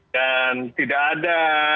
dan tidak ada